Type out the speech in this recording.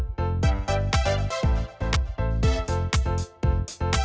suara kisahnya kurang mana cuman